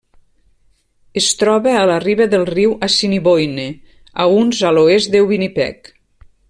Es troba a la riba del riu Assiniboine, a uns a l'oest de Winnipeg.